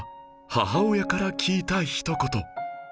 母親から聞いたひと言